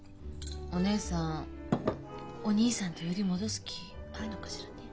お義姉さんお義兄さんとヨリ戻す気あるのかしらね？